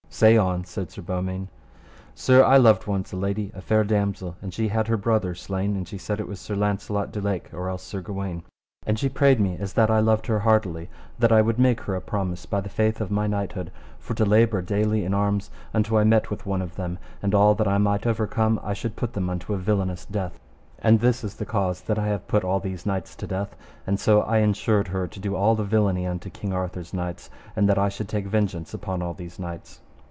Say on, said Sir Beaumains. Sir, I loved once a lady, a fair damosel, and she had her brother slain; and she said it was Sir Launcelot du Lake, or else Sir Gawaine; and she prayed me as that I loved her heartily, that I would make her a promise by the faith of my knighthood, for to labour daily in arms unto I met with one of them; and all that I might overcome I should put them unto a villainous death; and this is the cause that I have put all these knights to death, and so I ensured her to do all the villainy unto King Arthur's knights, and that I should take vengeance upon all these knights.